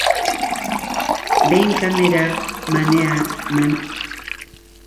Behin kamera maneiatzen ikasitakoan ikasleek bideoak editatzeko teknikak ikasiko dituzte.